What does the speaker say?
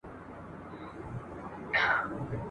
پرسکروټو به وروړمه د تڼاکو رباتونه ..